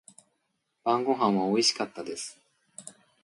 晩御飯は美味しかったです。